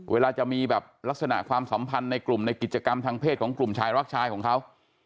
เวลาจะมีแบบลักษณะความสัมพันธ์ในกลุ่มในกิจกรรมทางเพศของกลุ่มชายรักชายของเขา